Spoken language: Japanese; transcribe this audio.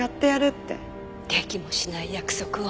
出来もしない約束を。